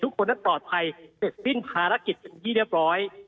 ทุกคนนั้นปลอดภัยเสร็จสิ้นภารกิจเป็นที่เรียบร้อย